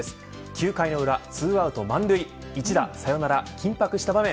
９回裏、２アウト満塁一打サヨナラ緊迫した場面。